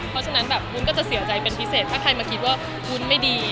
เพราะฉะนั้นแบบวุ้นก็จะเสียใจเป็นพิเศษถ้าใครมาคิดว่าวุ้นไม่ดี